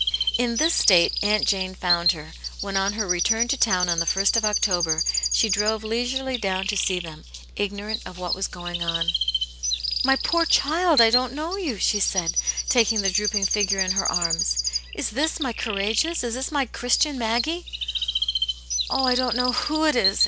In this state Aunt Jane found her, when on her return to town on the ist of October, she drove leisurely down to see them, ignorant of what was going on. "My poor child, I didn't know you!" she said, taking the drooping figure in her arms. " Is this my courageous, is this my Christian Maggie V^ "Oh, I don't know who it is!"